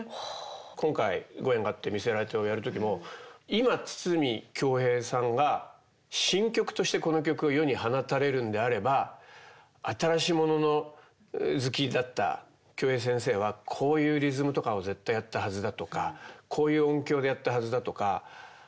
今回ご縁があって「魅せられて」をやる時も今筒美京平さんが新曲としてこの曲を世に放たれるんであれば新しいもの好きだった京平先生はこういうリズムとかを絶対やったはずだとかこういう音響でやったはずだとか。